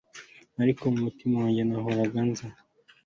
ariko mu mutima wanjye, nahoraga nzi